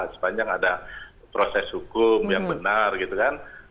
sepanjang ada proses hukum yang benar gitu kan